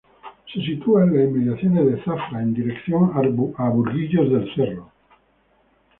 Se sitúa en las inmediaciones de Zafra, en dirección a Burguillos del Cerro.